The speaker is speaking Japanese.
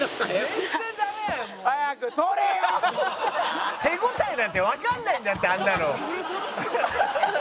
「全然ダメ」手応えなんてわかんないんだってあんなの。